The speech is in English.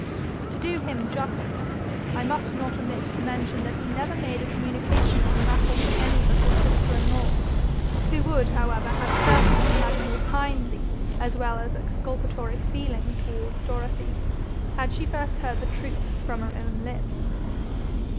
To do him justice, I must not omit to mention that he never made a communication on the matter to any but his sister in law, who would however have certainly had a more kindly as well as exculpatory feeling towards Dorothy, had she first heard the truth from her own lips.